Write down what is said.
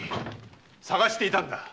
捜していたんだ。